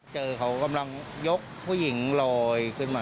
เจอเขากำลังยกผู้หญิงลอยขึ้นมา